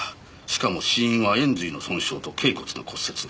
しかも死因は延髄の損傷と脛骨の骨折。